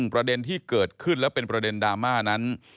ประเด็นที่เกิดขึ้นแล้วเป็นประเด็นดราม่านั้น